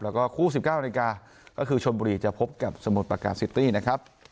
แล้วก็คู่๑๙นาฬิกาก็คือชนบุรีจะพบกับสมุทรประการซิตี้นะครับ